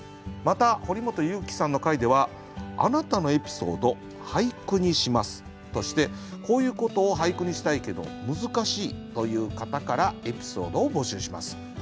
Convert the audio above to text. また堀本裕樹さんの回では「あなたのエピソード、俳句にします」としてこういうことを俳句にしたいけど難しいという方からエピソードを募集します。